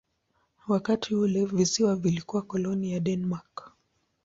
Wakati ule visiwa vilikuwa koloni ya Denmark.